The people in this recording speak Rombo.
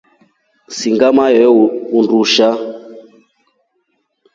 Singa maiyoo undusha.